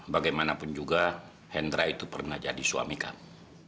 bagaimanapun juga hendra itu pernah jadi suami kami